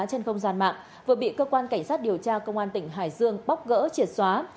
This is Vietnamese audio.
trên không gian mạng vừa bị cơ quan cảnh sát điều tra công an tỉnh hải dương bóc gỡ triệt xóa